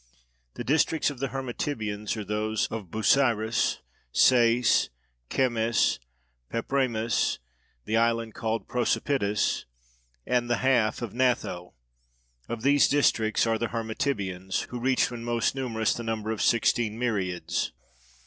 The districts of the Hermotybians are those of Busiris, Sais, Chemmis, Papremis, the island called Prosopitis, and the half of Natho, of these districts are the Hermotybians, who reached when most numerous the number of sixteen myriads.